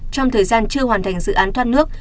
trong thời gian chưa hoàn thành dự án thoát nước